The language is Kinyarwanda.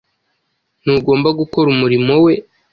Ntugomba gukora umurimo we